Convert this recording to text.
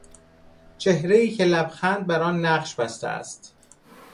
چهرهای که لبخند برآن نقش بسته است